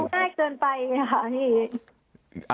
มันดูง่ายเกินไปเนี่ยค่ะ